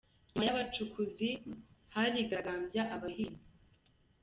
Nyuma y’abacukuzi harigaragambya abahinzi